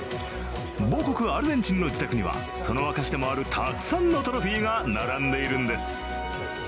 母国アルゼンチンの自宅にはその証しでもあるたくさんのトロフィーが並んでいるんです。